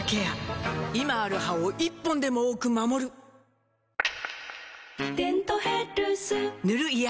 今ある歯を１本でも多く守る「デントヘルス」塗る医薬品も